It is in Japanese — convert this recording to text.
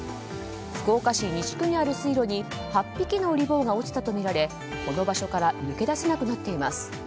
福岡市西区にある水路に８匹のうり坊が落ちたとみられこの場所から抜け出せなくなっています。